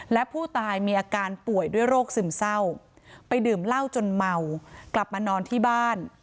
และผู้ตายมีอาการป่วยด้วยโรคซึมเศร้าไปดื่มเหล้าจนเมากลับมานอนที่บ้าน